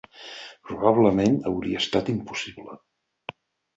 Probablement hauria estat impossible